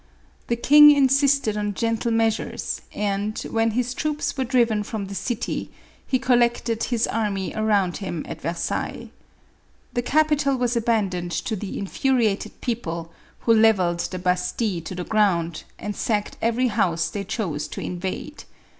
The king insisted on gentle measures, and, when his troops were driven from the city, he collected his army around him at Versailles. The capital was abandoned to the infuriated people, who levelled the Bastile to the ground, and sacked every house they chose to in vade.